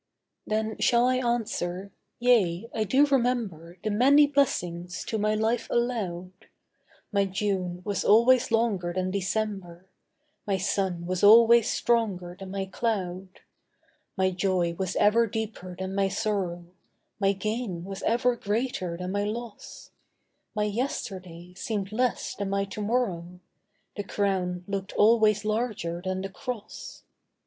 Then shall I answer: 'Yea, I do remember The many blessings to my life allowed; My June was always longer than December, My sun was always stronger than my cloud, My joy was ever deeper than my sorrow, My gain was ever greater than my loss, My yesterday seemed less than my to morrow, The crown looked always larger than the cross.